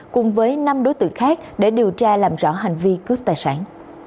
cùng với năm đối tượng khác để điều tra làm rõ hành vi cướp tài sản